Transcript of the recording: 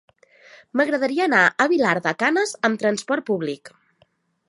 M'agradaria anar a Vilar de Canes amb transport públic.